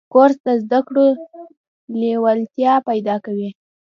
کورس د زده کړو لیوالتیا پیدا کوي.